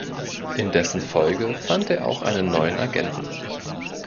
In dessen Folge fand er auch einen neuen Agenten.